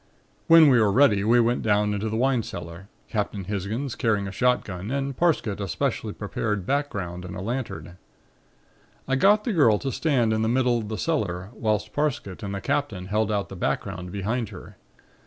"When we were ready we went down into the wine cellar, Captain Hisgins carrying a shotgun and Parsket a specially prepared background and a lantern. I got the girl to stand in the middle of the cellar whilst Parsket and the Captain held out the background behind her.